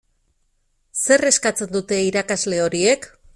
Zer eskatzen dute irakasle horiek?